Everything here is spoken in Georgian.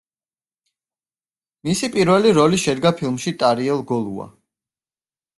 მისი პირველი როლი შედგა ფილმში „ტარიელ გოლუა“.